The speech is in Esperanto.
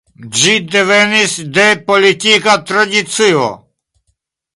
Ĝi devenis de politika tradicio.